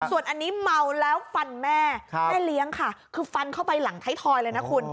ส่วนอันนี้เมาแล้วฟันแม่แม่เลี้ยงค่ะคือฟันเข้าไปหลังไทยทอยเลยนะคุณ